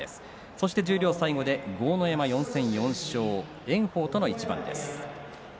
そして十両最後に豪ノ山炎鵬との一番です。